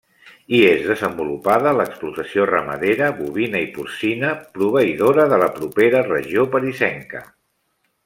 Hi és desenvolupada l'explotació ramadera, bovina i porcina, proveïdora de la propera regió parisenca.